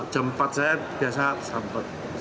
jam empat saya biasa sampai